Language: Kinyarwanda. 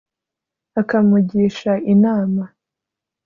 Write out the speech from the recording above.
akamugisha inama